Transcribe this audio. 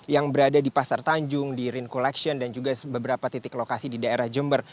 yang berada di pasar tanjung di rin collection dan juga beberapa titik lokasi di daerah jember